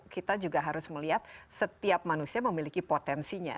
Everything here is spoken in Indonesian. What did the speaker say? kita juga harus melihat setiap manusia memiliki potensinya